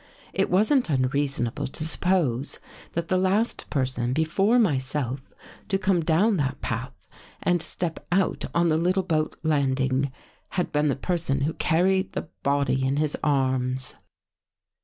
It wasn't unreasonable to suppose that the last person, before myself, to come down that path and step out on the little boat landing, had been the person who carried the body in his arms."